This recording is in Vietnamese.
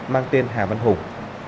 mang tên hà văn hùng